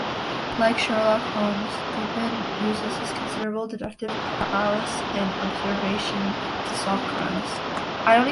Like Sherlock Holmes, Dupin uses his considerable deductive prowess and observation to solve crimes.